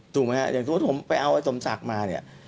ถูกไหมฮะอย่างสมมุติผมไปเอาไอ้สมศักดิ์มาเนี่ย